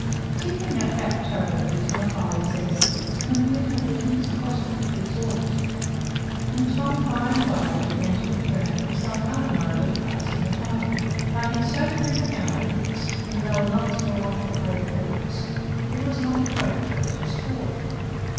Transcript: Tickling a fat toad who is not highly sensitive is an amusement that it is possible to exhaust, and Tom by and by began to look round for some other mode of passing the time. But in so prim a garden, where they were not to go off the paved walks, there was not a great choice of sport.